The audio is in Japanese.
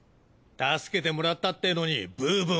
助けてもらったってのにブーブー